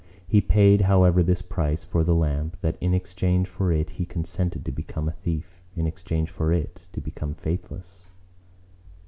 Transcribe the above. He paid however this price for the lamp, that in exchange for it he consented to become a thief: in exchange for it, to become faithless.